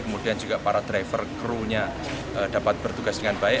kemudian juga para driver crewnya dapat bertugas dengan baik